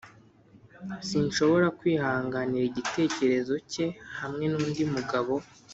sinshobora kwihanganira igitekerezo cye hamwe nundi mugabo.